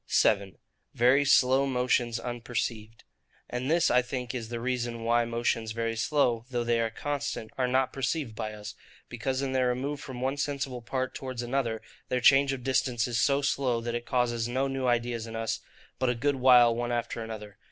7. Very slow motions unperceived. And this, I think, is the reason why motions very slow, though they are constant, are not perceived by us; because in their remove from one sensible part towards another, their change of distance is so slow, that it causes no new ideas in us, but a good while one after another.